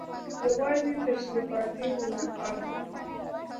یوازې تشریفاتي ملاقات وو.